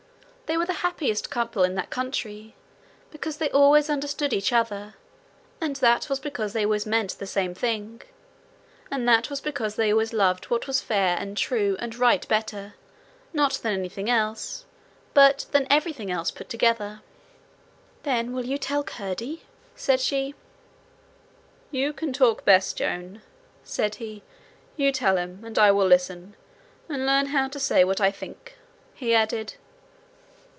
They were the happiest couple in that country, because they always understood each other, and that was because they always meant the same thing, and that was because they always loved what was fair and true and right better, not than anything else, but than everything else put together. 'Then will you tell Curdie?' said she. 'You can talk best, Joan,' said he. 'You tell him, and I will listen and learn how to say what I think,' he added.